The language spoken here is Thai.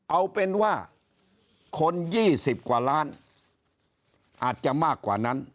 เอาเป็นว่าคน๒๐กว่าล้านอาจจะมากกว่านั้น